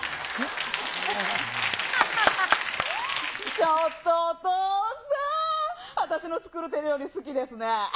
ちょっと、お父さん、私の作る手料理、好きですね。